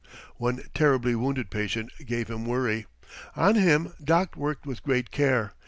One terribly wounded patient gave him worry. On him Doc worked with great care.